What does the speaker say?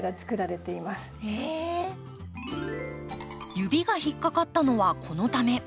指が引っ掛かったのはこのため。